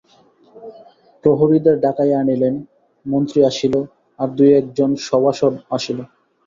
প্রহরীদের ডাকাইয়া আনিলেন, মন্ত্রী আসিল, আর দুই এক জন সভাসদ আসিল।